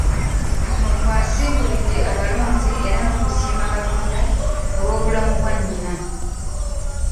Kuno kw'asiibulidde abalonzi era n'okusiima Katonda olw'obulamu bwa Nnyina